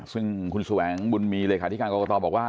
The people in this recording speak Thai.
ซึ่งคุณแสวงบุญมีเลขาธิการกรกตบอกว่า